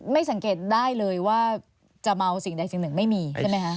ไม่สังเกตได้เลยว่าจะเมาสิ่งใดสิ่งหนึ่งไม่มีใช่ไหมคะ